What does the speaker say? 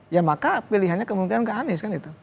ya maka pilihannya kemungkinan ke anies kan itu